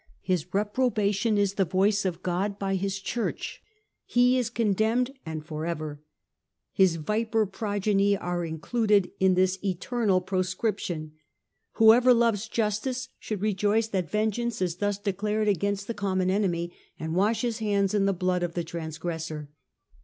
His reprobation is the voice of God by his Church ! He is condemned and for ever ! His viper progeny are included in this eternal 248 STUPOR MUNDI proscription. Whoever loves justice should rejoice that vengeance is thus declared against the common enemy, and wash his hands in the blood of the transgressor."